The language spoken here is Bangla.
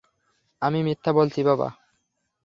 আমি মিথ্যা বলছি, বাবা?